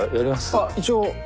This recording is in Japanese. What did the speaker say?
あっ一応。